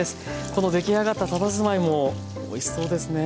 この出来上がったたたずまいもおいしそうですね。